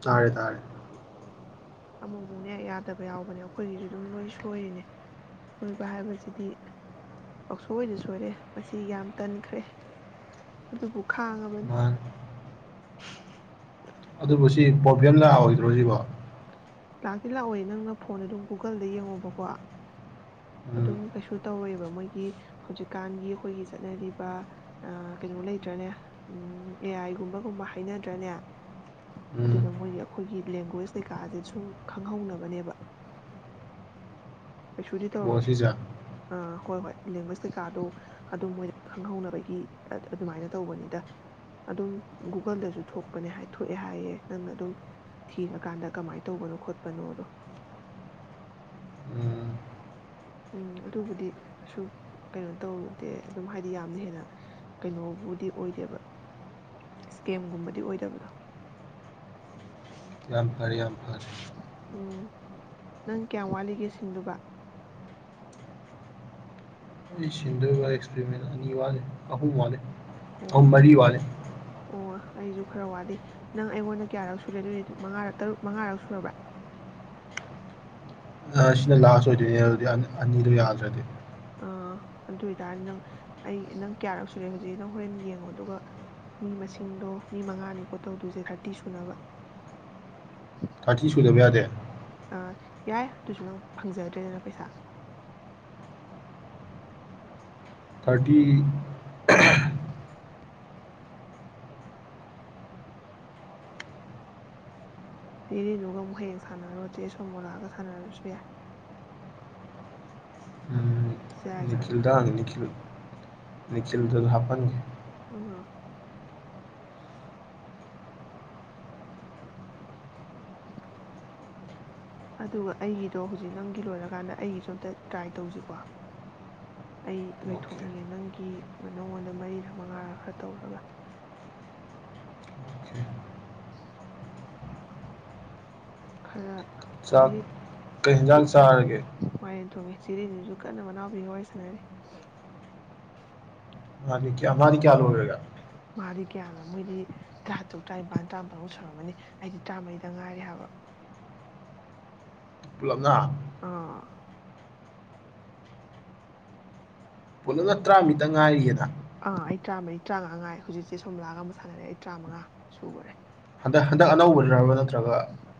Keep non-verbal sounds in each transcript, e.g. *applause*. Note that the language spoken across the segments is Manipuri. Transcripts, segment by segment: ꯇꯥꯔꯦ ꯇꯥꯔꯦ ꯑꯣ ꯑꯃꯨꯛ ꯑꯃꯨꯛꯅꯦ ꯌꯥꯗꯕ ꯌꯥꯎꯕꯅꯦ ꯑꯩꯈꯣꯏꯒꯤꯁꯨ ꯑꯗꯨꯝ ꯂꯣꯏ ꯁꯣꯏꯔꯤꯅꯦ ꯁꯣꯏꯕ ꯍꯥꯏꯕꯁꯤꯗꯤ ꯄꯁꯣꯏꯗ ꯁꯣꯏꯔꯦ ꯃꯁꯤ ꯌꯥꯝ ꯇꯟꯈ꯭ꯔꯦ ꯑꯗꯨꯕꯨ ꯈꯥꯡꯉꯕꯅꯤ ꯃꯥꯅꯤ ꯑꯗꯨꯕꯨ ꯁꯤ ꯄ꯭ꯔꯣꯕ꯭ꯂꯦꯝ ꯂꯥꯛꯑꯣꯑꯣꯏꯗ꯭ꯔꯣ ꯁꯤꯕꯣ ꯂꯥꯛꯇꯤ ꯂꯥꯛꯑꯣ ꯅꯪꯅ ꯐꯣꯟ ꯑꯗꯨꯝ ꯒꯨꯒꯜꯗ ꯌꯦꯡꯉꯣꯕꯀꯣ ꯎꯝ ꯑꯗꯨꯝ ꯀꯩꯁꯨ ꯇꯧꯔꯣꯏꯑꯕ ꯃꯣꯏꯒꯤ ꯍꯧꯖꯤꯛꯀꯥꯟꯒꯤ ꯑꯩꯈꯣꯏꯒꯤ ꯆꯠꯅꯔꯤꯕ ꯀꯩꯅꯣ ꯂꯩꯇ꯭ꯔꯅꯦ ꯑꯦ ꯑꯥꯏꯒꯨꯝꯕꯒꯨꯝꯕ ꯍꯥꯏꯅꯗ꯭ꯔꯅꯦ ꯎꯝ ꯑꯗꯨꯗ ꯃꯣꯏꯒꯤ ꯑꯩꯈꯣꯏꯒꯤ ꯂꯦꯡꯒ꯭ꯋꯦꯁ ꯀꯩꯀꯥꯁꯦ ꯁ ꯈꯪꯍꯧꯅꯕꯅꯦꯕ ꯀꯩꯁꯨꯗꯤ ꯑꯣ ꯇꯧꯔꯣꯏ ꯁꯤꯁꯦ ꯑꯥ ꯍꯣꯏ ꯍꯣꯏ ꯂꯦꯡꯒ꯭ꯋꯦꯖ ꯀꯩꯀꯥꯗꯣ ꯑꯗꯨꯝ ꯃꯣꯏꯗ ꯈꯪꯍꯧꯅꯕꯒꯤ ꯑꯗꯨꯃꯥꯏꯅ ꯇꯧꯕꯅꯤꯗ ꯑꯗꯨꯝ ꯒꯨꯒꯜꯗꯁꯨ ꯊꯣꯛꯄꯅꯦ ꯊꯣꯛꯑꯦ ꯍꯥꯏꯌꯦꯦ ꯅꯪꯅ ꯑꯗꯨꯝ ꯊꯤꯔꯀꯥꯟꯗ ꯀꯃꯥꯏꯅ ꯇꯧꯕꯅꯣ ꯈꯣꯠꯄꯅꯣꯗꯣ ꯎꯝ ꯎꯝ ꯑꯗꯨꯕꯨꯗꯤ ꯀꯁꯨ ꯀꯩꯅꯣ ꯇꯧꯗꯦ ꯑꯗꯨꯝ ꯍꯥꯏꯗꯤ ꯌꯥꯝꯅ ꯍꯦꯟꯅ ꯀꯩꯅꯣꯕꯨꯗꯤ ꯑꯣꯏꯗꯦꯕ ꯏꯁꯀꯦꯝꯒꯨꯝꯕꯗꯤ ꯑꯣꯏꯗꯕꯗꯣ ꯌꯥꯝ ꯐꯔ ꯌꯥꯝ ꯐꯔ ꯎꯝ ꯅꯪ ꯀꯌꯥꯝ ꯋꯥꯠꯂꯤꯒꯦ ꯁꯤꯟꯗꯨꯕ ꯑꯩ ꯁꯤꯟꯗ ꯑꯦꯛꯁꯄꯦꯔꯤꯃꯦꯟꯁ ꯑꯅꯤ ꯋꯥꯠꯂꯦ ꯑꯍꯨꯝ ꯋꯥꯠꯂꯦ ꯎ ꯑꯣ ꯃꯔꯤ ꯋꯥꯦ ꯑꯣ ꯑꯩꯁꯨ ꯈꯔ ꯋꯥꯠꯂꯤ ꯅꯪ ꯑꯩꯉꯣꯟꯗ ꯀꯌꯥꯔꯛ ꯁꯨꯔꯦ ꯑꯗꯨꯗꯤ ꯃꯉꯥꯔꯛ ꯇꯔꯨꯛ ꯃꯉꯥꯔꯛ ꯁꯨꯔꯕ꯭ꯔꯥ ꯁꯤꯅ ꯂꯥꯁ ꯑꯣꯏꯗꯣꯏꯅꯦ ꯑꯗꯨꯗꯤ ꯑꯅꯤꯗꯣ ꯌꯥꯗ꯭ꯔꯗꯤ ꯑꯗꯨꯏꯇꯥꯔꯗꯤ ꯅꯪ ꯑꯩ ꯅꯪ ꯀꯌꯥꯔꯛ ꯁꯨꯔꯦ ꯍꯧꯖꯤꯛ ꯅꯪ ꯍꯣꯔꯦꯟ ꯌꯦꯡꯉꯣ ꯑꯗꯨꯒ ꯃꯤ ꯃꯁꯤꯡꯗꯣ ꯃꯤ ꯃꯉꯥꯅꯤꯀꯣ ꯇꯧꯗꯣꯏꯁꯦ ꯊꯥꯔꯇꯤ ꯁꯨꯅꯕ ꯀꯥꯇ ꯁꯨꯂꯕ ꯌꯥꯗꯦ ꯑꯥ ꯌꯥꯏ ꯑꯗꯨꯁꯨ ꯅꯪ ꯐꯪꯖꯗ꯭ꯔꯦꯗꯅ ꯄꯩꯁꯥ ꯊꯥꯔꯇꯤ ꯁꯤꯤꯔꯤꯅꯨꯒ ꯑꯃꯨꯛ ꯍꯌꯦꯡ ꯁꯥꯟꯅꯔꯨꯔ ꯆꯦ ꯁꯣꯃꯣꯂꯥꯒ ꯁꯥꯟꯅꯔꯁꯨ ꯌꯥꯏ ꯎꯝ ꯅꯤꯡꯅꯤꯀꯤꯜꯗ ꯑꯅꯤ ꯅꯤꯡꯅꯤꯈꯜ ꯅꯤꯁꯤꯜꯗꯁꯨ ꯍꯥꯞꯄꯟꯒꯦ ꯎ ꯑꯗꯨꯒ ꯑꯩꯒꯤꯗꯣ ꯍꯧꯖꯤꯛ ꯅꯪꯒꯤ ꯂꯣꯏꯔꯀꯥꯟꯗ ꯑꯩꯒꯤꯁꯨ ꯑꯝꯇ ꯇ꯭ꯔꯥꯏ ꯇꯧꯁꯤꯀꯣ ꯑꯩ ꯑꯣꯀꯦ ꯂꯣꯏꯊꯣꯛꯅꯤꯡꯉꯦ ꯅꯪꯒꯤ ꯅꯪꯉꯣꯟꯗ ꯃꯔꯤꯔꯥ ꯃꯉꯥꯔꯥ ꯈꯔ ꯇꯧꯔꯒ ꯑꯣꯀꯦ ꯈꯔ ꯆꯥꯛ ꯆꯦ ꯀꯩ ꯌꯦꯟꯖꯥꯡ ꯆꯥꯔꯒꯦ ꯊꯣꯡꯉꯤ ꯆꯤꯔꯤꯁꯤꯁꯨ ꯀꯟꯅ ꯃꯅꯥꯎꯕꯤ ꯍ ꯁꯅꯔꯦ ꯃꯥ ꯃꯥꯅꯤ ꯀꯥꯗ ꯑꯣꯏꯔꯒ ꯃꯥꯗꯤ ꯒ꯭ꯌꯥꯟꯅ ꯃꯣꯏꯗꯤ ꯇꯔꯥ ꯇꯔꯨꯛ ꯇꯔꯥꯅꯤꯄꯜ ꯇꯔꯥꯄꯜꯃꯨꯛ ꯁꯧꯨꯔꯝꯃꯅꯤ ꯑꯩꯗꯤ ꯇꯔꯥꯃꯔꯤꯗ ꯉꯥꯏꯔꯦ ꯍꯥꯏꯕ ꯄꯨꯂꯞꯅ ꯑ ꯄꯨꯂꯞꯅ ꯇꯔꯥꯃꯤꯠꯇ ꯉꯥꯏꯔꯤꯌꯦꯗ ꯑꯥ ꯑꯩ ꯇꯔꯥꯃꯔꯤ ꯇꯔꯥꯃꯉꯥ ꯉꯉꯥꯏ ꯍꯧꯖꯤꯛꯁꯦ ꯁꯣꯝꯂꯥꯒ ꯑꯃ ꯁꯥꯟꯅꯔꯦ ꯑꯩ ꯇꯔꯥꯃꯉꯥ ꯁꯨꯈꯨꯔꯦ ꯍꯟꯗ ꯍꯟꯗꯛ ꯑꯅꯧꯕ ꯗ꯭ꯔꯕꯗ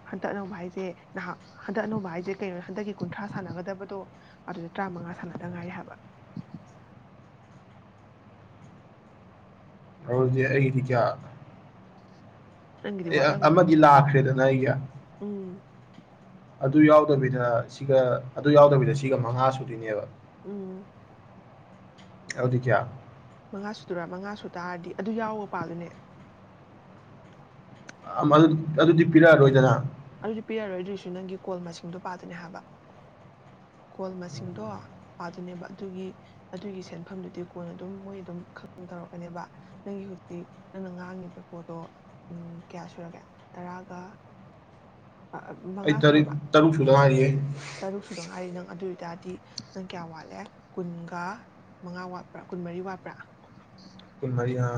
ꯍꯟꯇꯛ ꯑꯅꯧꯕ ꯍꯥꯏꯁꯦ ꯅꯍꯥꯛ ꯍꯟꯗꯛ ꯑꯅꯧꯕ ꯍꯥꯏꯁꯦ ꯀꯩꯅꯣ ꯍꯟꯗꯛꯀꯤ ꯀꯨꯟꯊ꯭ꯔꯥ ꯁꯥꯟꯅꯒꯗꯕꯗꯣ ꯑꯗꯨꯗ ꯇꯔꯥꯃꯉꯥ ꯁꯥꯟꯅꯗ ꯉꯥꯏ ꯍꯥꯏꯕ ꯑꯣꯖꯤ ꯑꯩꯗꯤ ꯀꯌꯥ ꯅꯪꯒꯤꯗꯤ ꯑꯦ ꯋꯥꯠꯂꯝ ꯑꯃꯒꯤ ꯂꯥꯛꯈ꯭ꯔꯦꯗ ꯏ ꯀ ꯎꯝ ꯑꯗꯨ ꯌꯥꯎꯗꯕꯤꯗ ꯁꯤꯒ ꯑꯗꯨ ꯌꯥꯎꯗꯕꯤꯗ ꯁꯤꯒ ꯃꯉꯥ ꯁꯨꯗꯣꯏꯅꯦꯕ ꯎꯝ ꯑꯗꯨꯗꯤ ꯀꯌꯥ ꯃꯉꯥ ꯁꯨꯗꯨꯔꯥ ꯃꯉꯥ ꯁꯨ ꯇꯥꯔꯗꯤ ꯑꯗꯨ ꯌꯥꯎꯕ ꯄꯥꯗꯨꯅꯦ ꯑꯗꯨꯗꯤ ꯄꯤꯔꯛꯑꯔꯣꯏꯗꯅ ꯑꯗꯨꯗꯤ ꯄꯤ ꯌꯥꯔꯣꯏꯗꯣꯏꯁꯨ ꯅꯪꯒꯤ ꯀꯣꯜ ꯃꯁꯤꯡꯗꯣ ꯄꯥꯗꯨꯅꯦ ꯍꯥꯏꯕ ꯀꯣꯜ ꯃꯁꯤꯡꯗꯣ ꯄꯥꯗꯣꯏꯅꯦꯕ ꯑꯗꯨꯒꯤ ꯑꯗꯨꯒꯤ ꯁꯦꯟꯐꯝꯗꯨꯗꯤ ꯀꯣꯟꯜ ꯑꯗꯨꯝ ꯃꯣꯏ ꯑꯗꯨꯝ ꯈꯪ ꯇꯧꯔꯛꯀꯅꯦꯕ ꯅꯪꯒꯤ ꯍꯧꯖꯤꯛ ꯅꯪꯅ ꯉꯥꯡꯉꯤꯕ ꯄꯣꯠꯇꯣ ꯀꯌꯥ ꯁꯨꯔꯒꯦ ꯇꯔꯥꯒ ꯑꯩ ꯃꯉꯥ ꯇꯔꯦꯠ ꯁꯨꯔꯕ ꯇꯔꯨꯛ ꯁꯨꯗ ꯉꯥꯏꯔꯤꯌꯦ ꯇꯔꯨꯛ ꯁꯗꯣ ꯉꯥꯏꯔꯤ ꯅꯪ ꯑꯗꯨ ꯑꯗꯨꯇꯥꯔꯗꯤ ꯅꯪ ꯀꯌꯥ ꯋꯥꯠꯂꯦ ꯀꯨꯟꯒ ꯃꯉꯥ ꯋꯥꯠꯄ꯭ꯔꯥ ꯀꯨꯟꯃꯔꯤ ꯋꯥꯠꯄ꯭ꯔꯥ ꯍꯃꯔꯤ ꯍꯥ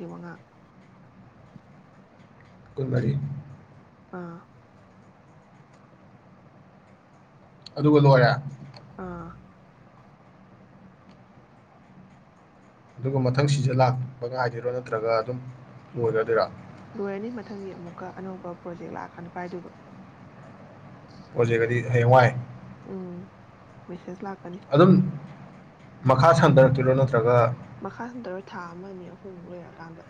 ꯉ ꯀꯣꯏꯃꯔꯤ ꯑꯥ ꯑꯗꯨꯒ ꯂꯣꯏꯔꯦ ꯑꯥ ꯑꯗꯨꯒ ꯃꯊꯪ ꯁꯤꯗ ꯂꯥꯛꯄ ꯉꯥꯏꯗꯣꯏꯔꯣ ꯅꯠꯇ꯭ꯔꯒ ꯑꯗꯨꯝ ꯂꯣꯏꯒꯗꯣꯏꯔꯥ ꯂꯣꯏꯔꯅꯤ ꯃꯊꯪꯒꯤ ꯑꯃꯨꯛꯀ ꯑꯅꯧꯕ ꯄ꯭ꯔꯣꯖꯦꯛ ꯂꯥꯛꯑꯀꯗ ꯄꯥꯏꯗꯨꯕ ꯍꯦꯋꯥꯏ ꯎꯝ ꯃꯦꯁꯦꯖ ꯂꯥꯛ ꯑꯗꯨꯝ ꯃꯈꯥ ꯁꯟꯊꯔꯛꯇꯣꯏꯔꯣ ꯅꯠꯇ꯭ꯔꯒ ꯃꯈꯥ ꯁꯝꯊꯔꯣꯏ ꯊꯥ ꯑꯃ ꯑꯅꯤ ꯑꯍꯨꯝꯃꯨꯛ ꯂꯩꯔꯛꯑꯀꯥꯟꯗ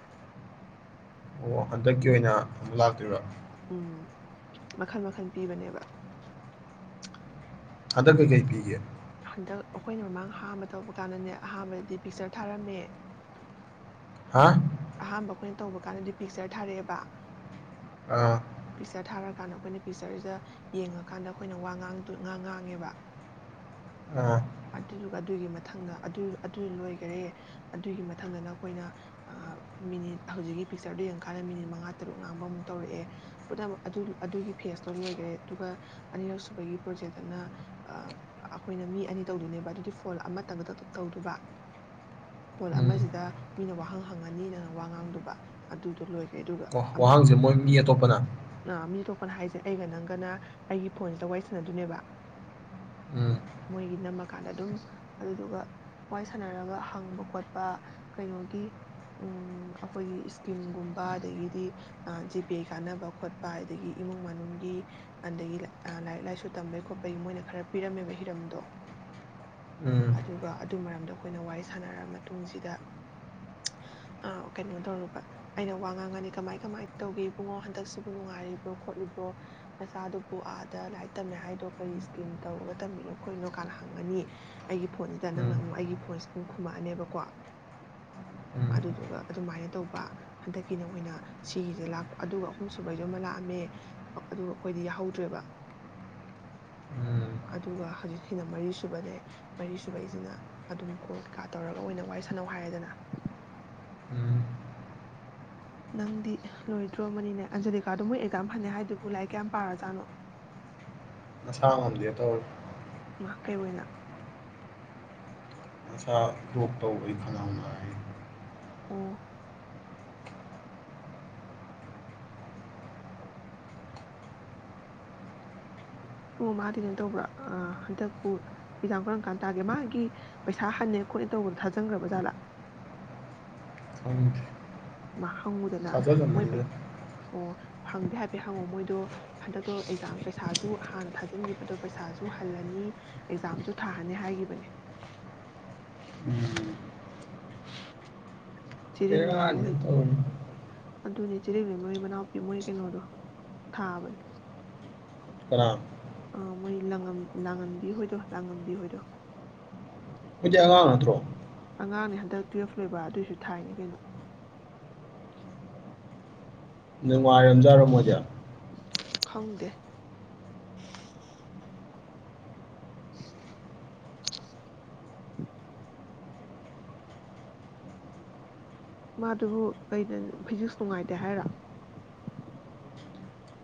ꯑꯣ ꯍꯟꯗꯛꯀꯤ ꯑꯣꯏꯅ ꯑꯗꯨꯝ ꯂꯥꯛꯇꯣꯏꯕ ꯎꯝ ꯃꯈꯜ ꯃꯈꯜ ꯄꯤꯕꯅꯦꯕ ꯑꯗ ꯀꯦ ꯀꯩꯄꯤꯦ ꯍꯟꯗꯛ ꯑꯩꯈꯣꯏꯅ ꯃꯃꯥꯡ ꯑꯍꯝꯕ ꯇꯧꯕ ꯀꯥꯟꯗꯅꯦ ꯑꯍꯥꯥꯟꯕꯗꯗꯤ ꯄꯤꯛꯆꯔ ꯊꯥꯔꯝꯃꯦ ꯍꯥ ꯑꯍꯥꯥꯟꯕ ꯑꯩꯈꯣꯏꯅ ꯇꯧꯕ ꯀꯥꯟꯗꯗꯤ ꯄꯤꯛꯆꯔ ꯊꯥꯔꯛꯑꯦꯕ ꯑꯥ ꯄꯤꯛꯆꯔ ꯊꯥꯔꯀꯥꯟꯗ ꯑꯩꯈꯣꯏꯅ ꯄꯤꯛꯆꯔꯁꯤꯗ ꯌꯦꯡꯉꯀꯥꯟꯗ ꯑꯩꯈꯣꯏꯅ ꯋꯥ ꯉꯥꯡ ꯉꯥꯡ ꯉꯥꯡꯉꯦꯕ ꯑꯥ ꯑꯗꯨꯗꯨꯒ ꯑꯗꯨꯒꯤ ꯃꯊꯪꯗ ꯑꯗꯨ ꯂꯣꯏꯈꯔꯦ ꯑꯗꯨꯒꯤ ꯃꯊꯪꯗꯅ ꯑꯩꯈꯣꯏꯅ ꯃꯤꯅꯤꯠ ꯍꯧꯖꯤꯛꯀꯤ ꯄꯤꯛꯆꯔꯗꯨꯣ ꯌꯦꯡꯀꯥꯟꯗ ꯃꯤꯅꯤꯠ ꯃꯉꯥ ꯇꯔꯨꯛ ꯉꯥꯡꯕꯃꯨꯛ ꯇꯧꯔꯛꯑꯦ ꯄꯨꯝꯅꯃꯛ ꯑꯗꯨ ꯑꯗꯨꯒꯤ ꯐꯦꯁꯇꯣ ꯂꯣꯏꯈꯔꯦ ꯑꯗꯨꯒ ꯑꯅꯤꯔꯛꯁꯨꯨꯕꯒꯤ ꯄ꯭ꯔꯣꯖꯦꯛꯇꯅ ꯑꯩꯈꯣꯏꯅ ꯃꯤ ꯑꯅꯤ ꯇꯧꯗꯣꯏꯅꯦꯕ ꯑꯗꯨꯗꯤ ꯐꯣꯟ ꯑꯃꯇꯪꯒ ꯇꯞ ꯇꯞ ꯇꯧꯗꯕ ꯐꯣꯟ ꯎꯝ ꯑꯃꯁꯤꯗ ꯃꯤꯅ ꯋꯥꯍꯪ ꯍ ꯐꯪꯉꯅꯤꯗꯅ ꯋꯥ ꯉꯥꯡꯗꯨꯕ ꯑꯗꯨꯗꯣ ꯂꯣꯏ ꯋꯥꯍꯥꯡꯁꯦ ꯃꯣꯏꯒꯤ ꯑꯇꯣꯞꯄꯅ ꯀꯅ ꯍꯥꯏꯁꯩ ꯑꯩꯒ ꯅꯪꯒꯅ ꯑꯩꯒꯤ ꯐꯣꯟꯁꯤꯗ ꯋꯥꯔꯤ ꯁꯥꯟꯅꯗꯣꯏꯅꯦꯕ ꯎꯝ ꯃꯣꯏꯒꯤ ꯅꯝꯃꯀꯥꯟꯗ ꯑꯗꯨꯝ ꯑꯗꯨꯗꯨꯒ ꯋꯥꯔꯤ ꯁꯥꯟꯅꯔꯒ ꯍꯪꯕ ꯈꯣꯠꯄ ꯀꯩꯅꯣꯒꯤ ꯑꯩꯈꯣꯏꯒꯤ ꯏꯁꯀꯤꯝꯒꯨꯝꯕ ꯑꯗꯒꯤꯗꯤ ꯖꯤꯄꯦ ꯀꯥꯟꯅꯕ ꯈꯣꯠꯄ ꯑꯗꯒꯤ ꯏꯃꯨꯡ ꯃꯅꯨꯡꯒꯤ ꯑꯗꯒꯤ ꯂꯥꯏꯔꯤꯛ ꯂꯥꯏꯁꯨ ꯇꯝꯕꯒꯤ ꯈꯣꯠꯄꯒꯤ ꯃꯣꯏꯅ ꯈꯔ ꯄꯤꯔꯝꯃꯦꯕ ꯍꯤꯔꯝꯗꯣ ꯎꯝ ꯑꯗꯨꯒ ꯑꯗꯨ ꯃꯔꯝꯗꯣ ꯑꯩꯈꯣꯏꯅ ꯋꯥꯔꯤ ꯁꯥꯟꯅꯔ ꯃꯇꯨꯡꯁꯤꯗ ꯀꯩꯅꯣ ꯇꯧꯔꯨꯕ ꯑꯩꯅ ꯋꯥ ꯉꯥꯡꯉꯅꯤ ꯀꯃꯥꯏ ꯀꯃꯥꯏꯅ ꯇꯧꯒꯦ ꯏꯕꯨꯡꯉꯣ ꯍꯟꯗꯛꯁꯤꯕꯨ ꯅꯨꯡꯉꯥꯏꯔꯤꯕ꯭ꯔꯣ ꯈꯣꯠꯂꯤꯕ꯭ꯔꯣ ꯅꯆꯥꯗꯨꯕꯨ ꯑꯥꯗ ꯂꯥꯏꯔꯤꯛ ꯇꯝꯃꯦ ꯍꯥꯏꯗꯣ ꯀꯔꯤ ꯏꯁꯀꯤꯝ ꯇꯧꯔꯒ ꯇꯝꯃꯤꯅꯣ ꯈꯣꯠꯂꯤꯅꯣ ꯀꯥꯏꯅ ꯍꯪꯉꯅꯤ ꯑꯩꯒꯤ ꯐꯣꯟꯁꯤꯗ ꯅꯪꯅ ꯎꯝ ꯑꯃꯨꯛ ꯑꯩꯒꯤ ꯐꯣꯟꯁꯤ ꯑꯗꯨꯝ ꯈꯨꯝꯃꯛꯑꯅꯦꯕꯀꯣ ꯎꯝ ꯑꯗꯨꯗꯨꯒ ꯑꯗꯨꯃꯥꯏꯅ ꯇꯧꯕ ꯍꯟꯗꯛꯀꯤꯅ ꯑꯣꯏꯅ ꯁꯤꯒꯤꯁꯦ ꯂꯥꯛꯄ ꯑꯗꯨꯒ ꯑꯍꯨꯝ ꯁꯕꯩꯁꯨ ꯑꯃ ꯂꯥꯛꯑꯝꯃꯦ ꯑꯗꯨꯒ ꯑꯩꯈꯣꯏꯗꯤ ꯌꯥꯍꯧꯗ꯭ꯔꯦꯕ ꯎꯝ ꯑꯗꯨꯒ ꯍꯧꯖꯤꯛ ꯁꯤꯅ ꯃꯔꯤ ꯁꯨꯕꯅꯦ ꯃꯔꯤ ꯁꯕꯩꯁꯤꯅ ꯑꯗꯨꯝ ꯀꯣꯜ ꯀꯩꯀꯥ ꯇꯧꯔꯒ ꯑꯣꯏꯅ ꯋꯥꯔꯤ ꯁꯥꯟꯅꯧ ꯍꯥꯏꯔꯦꯗꯅ ꯎꯝ ꯅꯪꯗꯤ ꯂꯣꯏꯗ꯭ꯔꯣ ꯑꯃꯅꯤꯅꯦ ꯑꯟꯖꯂꯤꯀꯥꯗꯣ ꯃꯣꯏ ꯑꯦꯛꯖꯥꯝ ꯐꯅ ꯍꯥꯏꯗꯨꯕꯨ ꯂꯥꯏꯔꯤꯛ ꯀꯌꯥꯝ ꯄꯥꯔꯖꯥꯠꯅꯣ ꯑꯁꯂꯥꯗꯤ ꯇ ꯉꯩ ꯑꯣꯏꯅ ꯃꯁꯥ ꯭ꯔꯣꯛ ꯇꯧꯕꯩ ꯈꯅꯥꯍꯧꯅ ꯑꯣ ꯄꯨꯡ ꯃꯥꯗꯤ ꯀꯩꯅꯣ ꯇꯧꯕ꯭ꯔꯥ ꯍꯟꯗꯛꯄꯨ ꯑꯦꯛꯖꯥꯝ ꯀꯔꯝ ꯀꯥꯟ ꯇꯥꯒꯦ ꯃꯥꯒꯤ ꯄꯩꯁꯥ ꯍꯟꯅꯦ ꯈꯣꯠꯅꯦ ꯇꯧꯕꯗꯣ ꯊꯥꯖꯤꯟꯈ꯭ꯔꯕ ꯖꯥꯠꯂꯥ ꯍ *inaudible* ꯃꯥ ꯐꯪꯉꯨꯗꯅ ꯃꯣꯏ ꯑꯣ ꯍꯪꯗꯦ ꯍꯥꯏꯐꯦꯠ ꯍꯪꯉꯣ ꯃꯣꯏꯗꯣ ꯍꯟꯗꯛꯇꯣ ꯑꯦꯛꯖꯥꯝ ꯄꯩꯁꯥꯁꯨ ꯍꯥꯟꯅ ꯊꯥꯖꯤꯟꯈꯤꯕꯗꯣ ꯄꯩꯁꯥꯁꯨ ꯍꯜꯂꯅꯤ ꯑꯦꯛꯖꯥꯝꯁꯨ ꯊꯥꯍꯅꯤ ꯍꯥꯏꯈꯤꯕꯅꯦ ꯎꯝ ꯇ ꯆꯦꯔꯦꯟꯅꯨ ꯇꯅꯤ ꯂꯩꯃꯍꯣꯏ ꯑꯗꯨꯅꯦ ꯆꯤꯂꯛꯂ ꯃꯣꯏ ꯃꯅꯥꯎꯄꯤ ꯃꯣꯏ ꯀꯩꯅꯣꯗꯣ ꯊꯥꯕꯅꯦ ꯀꯅꯥ ꯑꯥ ꯃꯣꯏꯥꯡ ꯂꯥꯡꯉꯝꯕꯤ ꯍꯣꯏꯗꯣ ꯂꯥꯡꯉꯝꯕꯤ ꯍꯣꯏꯗꯣ ꯍꯧ ꯑꯉꯥꯡ ꯅꯠꯇ꯭ꯔꯣ ꯑꯉꯥꯡꯅꯦ ꯍꯟꯗꯛ ꯇꯨꯌꯦꯜꯐ ꯂꯣꯏꯕ ꯑꯗꯨꯑꯣꯏꯁꯨ ꯊꯥꯏꯅꯦ ꯀꯩꯅꯣ ꯅꯪ ꯋꯥꯅꯨꯡꯥꯏꯔꯝꯖꯥꯔꯝꯃꯣꯗꯤꯌꯥ ꯈꯪꯗꯦ *inaudible* ꯃꯥꯗꯨꯕꯨ ꯀꯩꯅ ꯐꯤꯖꯤꯛꯁ ꯅꯨꯡꯉꯥꯏꯇꯦ ꯍꯥꯏꯔ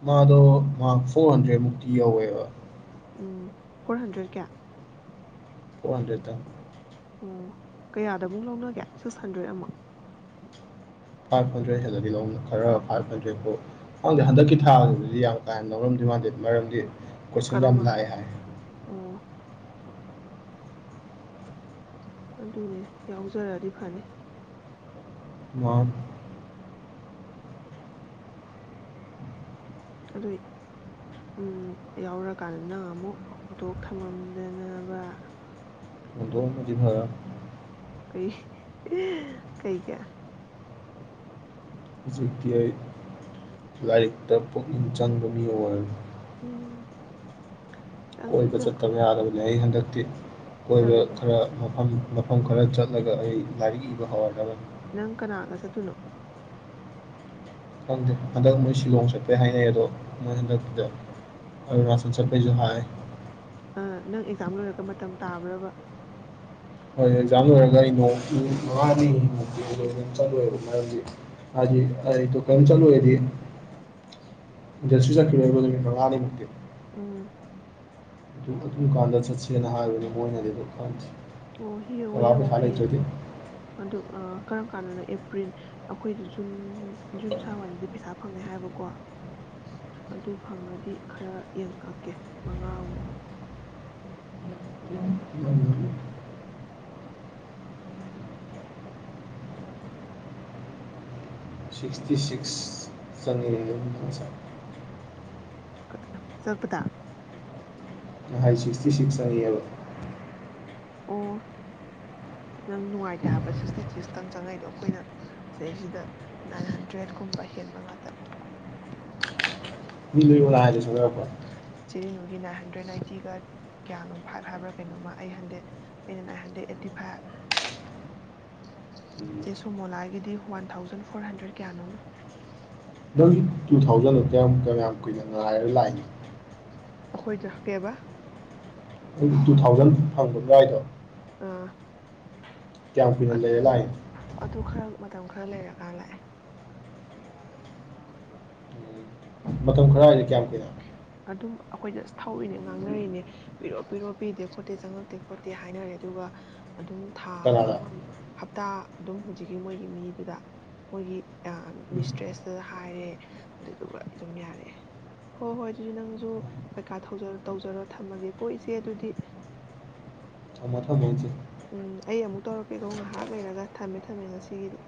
ꯃꯥꯗꯣ ꯃꯍꯥꯛ ꯐꯣꯔ ꯍꯟꯗ꯭ꯔꯦꯗ ꯃꯨꯛꯇꯤ ꯌꯧꯋꯦꯕ ꯎꯝ ꯐꯣꯔ ꯍꯟꯗ꯭ꯔꯦꯠ ꯀꯌꯥ ꯋꯥꯗꯗ ꯑꯣ ꯀꯌꯥꯗ ꯑꯃꯨꯛ ꯂꯧꯅꯒꯦ ꯁꯤꯛꯁ ꯍꯟꯗ꯭ꯔꯦꯠ ꯑꯃ ꯐꯥꯏꯚ ꯍꯟꯗ꯭ꯔꯦꯠ ꯍꯦꯜꯂꯗꯤ ꯂꯧꯅ ꯈꯔ ꯐꯥꯏꯚ ꯍꯟꯗ꯭ꯔꯦꯠꯄꯥꯎ ꯍꯪꯗꯦ ꯍꯟꯗꯛꯀꯤ ꯊꯥꯗꯤ ꯌꯥꯝ ꯀꯥꯏꯅ ꯅ ꯂꯧꯔꯝꯗꯣꯏ ꯃꯥꯟꯗꯦ ꯃꯔꯝꯗꯤ ꯎ ꯀꯣꯏꯁꯟ ꯌꯥꯝ ꯀꯩꯅꯣꯃ ꯂꯥꯛꯑꯦ ꯍꯥꯏ *inaudible* ꯑꯗꯨꯅꯦ ꯌꯥꯎꯖꯔꯛꯑꯗꯤ ꯐꯅꯤ ꯋꯥ ꯑꯗꯨ ꯌꯥꯎꯔꯀꯥꯟꯗ ꯅꯪ ꯑꯃꯨꯛ ꯍꯨꯇꯣꯛ ꯊꯝꯃꯝꯗꯅꯕ ꯑꯣ ꯃꯦ ꯀꯩ ꯀꯩ ꯀꯌꯥ ꯖꯤꯛꯇ ꯑꯩ ꯂꯔꯤꯛꯇ ꯄ ꯆꯥꯟꯗꯅꯤ ꯋꯥ ꯎꯝ ꯀꯣꯏꯕ ꯆꯪꯉꯤꯗꯀꯣ ꯆꯠꯇꯕ ꯌꯥꯗꯕꯅꯤ ꯑꯩ ꯍꯟꯗꯛꯇꯤ ꯀꯣꯏꯕ ꯆꯠꯂꯨ ꯆꯠꯂꯨ ꯈꯔ ꯃꯐꯝ ꯃꯐꯝ ꯈꯔ ꯆꯠꯂꯒ ꯑꯩ ꯂꯥꯏꯔꯤꯛ ꯏꯕ ꯍꯧꯋꯥꯠꯕꯅꯤ ꯅꯪ ꯀꯅꯥꯒ ꯆꯠꯇꯨꯅꯣ ꯈꯪꯗꯦ ꯍꯟꯗꯛ ꯃꯣꯏ ꯁꯤꯂꯣꯡ ꯆꯠꯄꯩ ꯍꯥꯏꯅꯩ ꯑꯗꯣ ꯃꯣꯏ ꯍꯟꯗꯛꯇꯗ ꯑꯔꯨꯅꯥꯆꯜ ꯆꯠꯄꯩꯁꯨ ꯍꯥꯏ ꯅꯪ ꯑꯦꯛꯖꯥꯝ ꯂꯣꯏꯔꯒ ꯃꯇꯝ ꯇꯥꯕ꯭ꯔꯕ ꯛꯖꯥ ꯂꯣꯏꯔꯒꯔꯤꯅꯣ ꯃꯉꯥꯅꯤ ꯆꯠꯂꯕ ꯃꯔꯝꯗꯤ ꯑꯩꯗꯣ ꯀꯔꯤꯝ ꯆꯠꯂꯨꯦꯗꯤ ꯖ ꯆꯠꯈꯤꯕ ꯃꯉꯥꯅꯤꯃꯨꯛꯇꯤ ꯎꯝ ꯑꯗꯨ ꯑꯗꯨ ꯀꯥꯟꯗ ꯆꯠꯁꯦꯅ ꯍꯥꯏꯕꯅꯦ ꯃꯣꯏꯅꯗꯤꯀꯥꯟꯁꯤ ꯑꯣꯍ ꯑꯣꯍ ꯑꯣꯍ ꯑꯗꯨ ꯀꯔꯝ ꯀꯥꯟꯗꯅ ꯑꯦꯄ꯭ꯔꯤꯜ ꯑꯩꯈꯣꯏꯗꯤ ꯖꯨꯟ ꯖꯨꯟ ꯁꯋꯥꯋꯥꯏꯗꯗꯤ ꯄꯩꯁꯥ ꯐꯪꯉꯦ ꯍꯥꯏꯕꯀꯣ ꯑꯗꯨ ꯐꯪꯉꯗꯤ ꯈꯔ ꯌꯦꯡꯈꯠꯂꯀꯦ ꯃꯉꯥꯃꯨꯛ ꯁꯤꯛꯁꯇꯤ ꯁꯤꯛꯁ ꯆꯔꯤꯁ ꯁꯜꯄꯗ ꯉꯥꯏ ꯁꯤꯛꯁꯇꯤ ꯁꯤꯛꯁ ꯑꯅꯤꯦꯕ ꯑꯣ ꯅꯪ ꯅꯨꯡꯉꯥꯏꯇꯦ ꯍꯥꯏꯕ ꯁꯤꯛꯁꯇꯤ ꯁꯤꯛꯁꯇꯪ ꯆꯪꯉꯛꯏꯗꯣ ꯑꯩꯈꯣꯏꯅ ꯁꯤꯁꯤꯗ ꯅꯥꯏꯟ ꯍꯟꯗ꯭ꯔꯦꯠꯀꯨꯝꯕ ꯍꯦꯟꯕ ꯉꯇ ꯃꯤ ꯍꯥꯏ ꯁꯣ ꯁꯤꯔꯤꯅꯣꯒꯤ ꯅꯥꯏꯟ ꯍꯟꯗ꯭ꯔꯦꯠ ꯅꯥꯏꯟꯇꯤꯒ ꯀꯌꯥꯅꯣ ꯐꯥꯏꯚ ꯍꯥꯏꯕ꯭ꯔꯥ ꯀꯩꯅꯣꯃ ꯑꯩꯠ ꯍꯟꯗ꯭ꯔꯦꯗ ꯑꯩꯅ ꯅꯥꯏꯟ ꯍꯟꯗ꯭ꯔꯦꯗ ꯑꯩꯠꯇꯤ ꯐꯥꯏꯚ ꯑꯗꯩ ꯁꯣꯃꯣꯂꯥꯒꯤꯗꯤ ꯋꯥꯟ ꯊꯥꯎꯖꯟ ꯐꯣꯔ ꯍꯟꯗ꯭ꯔꯦꯗ ꯀꯌꯥꯅꯣꯃ ꯗꯪ ꯇꯨ ꯊꯥꯎꯖꯟꯗ ꯀꯌꯥꯝꯨ ꯀꯌꯥꯝ ꯀꯨꯏꯅ ꯉꯉꯥꯏꯔ ꯂꯥꯛꯏꯅꯤ ꯑꯩꯈꯣꯏꯗ ꯀꯦꯕ ꯑꯩ ꯇꯨ ꯊꯥꯎꯖꯟ ꯐꯪꯕ ꯅ ꯍꯥꯏꯗꯣ ꯑ ꯀꯌꯥꯄꯅ ꯂꯩ ꯂꯥꯏꯟ ꯑꯗꯨ ꯈꯔ ꯃꯇꯝ ꯈꯔ ꯂꯩꯔꯀꯥꯟ ꯂꯥꯛꯑꯦ ꯃꯇꯝ ꯈꯔ ꯍꯥꯏꯗꯤ ꯀꯌꯥꯝꯃꯨ ꯀꯏꯗ ꯑꯗꯨꯝ ꯑꯩꯈꯣꯏꯗ ꯑꯁ ꯊꯧꯔꯤꯅꯦ ꯉꯥꯡꯅꯔꯤꯅꯦ ꯄꯤꯔꯣ ꯄꯤꯔꯣ ꯄꯤꯗꯦ ꯈꯣꯠꯇꯦ ꯆꯪꯉꯛꯇꯦ ꯈꯣꯠꯇꯦ ꯍꯥꯏꯅꯔꯦ ꯑꯗꯨꯒ ꯑꯗꯨꯝ ꯊꯥ ꯀꯅꯥꯗ ꯑꯃꯃꯨꯛ ꯍꯞꯇꯥ ꯑꯗꯨꯝ ꯍꯧꯖꯤꯛꯀꯤ ꯃꯣꯏꯒꯤ ꯃꯤꯗꯨꯗ ꯃꯣꯏꯒꯤ ꯃꯤꯁꯇ꯭ꯔꯦꯁꯇ ꯍꯥꯏꯔꯦ ꯑꯗꯨꯗꯨꯒ ꯑꯗꯨꯝ ꯌꯥꯔꯛꯑꯦ ꯍꯣꯏ ꯍꯣꯏ ꯑꯗꯨꯗꯤ ꯅꯪꯁꯨ ꯄꯩꯀꯥ ꯇꯧꯖꯔꯣ ꯊꯝꯃꯒꯦ ꯀꯣ ꯏꯆꯦ ꯑꯗꯨꯗꯤ ꯊꯝꯃꯣ ꯊꯝꯃꯣ ꯏꯆꯦ ꯎꯝ ꯑꯩ ꯑꯃꯨꯛ ꯇꯧꯔꯛꯀꯦꯀꯣ ꯉꯥꯏꯍꯥꯛ ꯂꯩꯔꯒ ꯊꯝꯃꯦ ꯊꯝꯃꯦ ꯉꯁꯤꯒꯤꯗꯤ